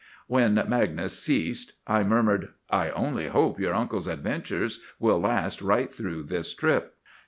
When Magnus ceased I murmured, "I only hope your uncle's adventures will last right through this trip."